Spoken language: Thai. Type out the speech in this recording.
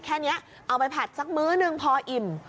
แค่นี้เอาไปผัดสักมื้อหนึ่งพออิ่ม